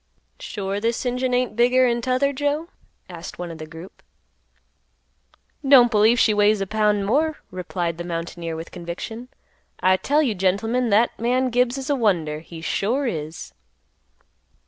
"Sure this engine ain't bigger'n t'other, Joe?" asked one of the group. "Don't believe she weighs a pound more," replied the mountaineer with conviction. "I tell you, gentlemen, that man Gibbs is a wonder, he sure is."